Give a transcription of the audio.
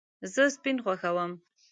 زه سپین خوښوم